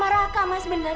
mas sakti mau ke mana